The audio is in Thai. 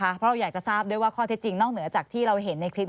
เพราะเราอยากจะทราบด้วยว่าข้อเท็จจริงนอกเหนือจากที่เราเห็นในคลิป